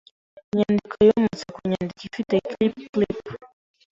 Inyandiko yometse ku nyandiko ifite clip clip.